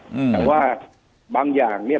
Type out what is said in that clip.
แต่ว่าบางอย่างเนี่ย